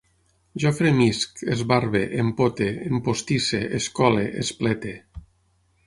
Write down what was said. Jo fremisc, esbarbe, empote, empostisse, escole, esplete